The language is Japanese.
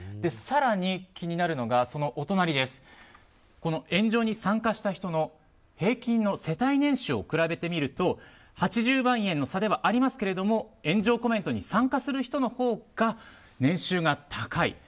更に、気になるのが炎上に参加した人の平均の世帯年収を比べてみると８０万円の差ではありますが炎上コメントに参加する人のほうが年収が高い